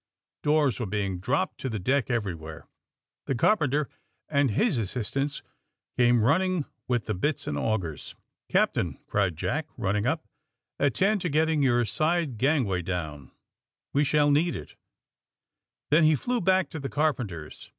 Doors were being dropped to the deck everywhere. The carpen ter and his assistants came running with the bits and augers. ^^ Captain/' cried Jack, running up, ^'attend to getting your side gangway down. We shall need if Then he flew back to the carpenters.